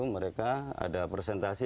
mereka ada presentasi